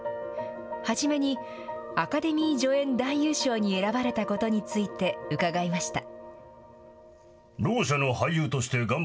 初めにアカデミー助演男優賞に選ばれたことについて伺いました。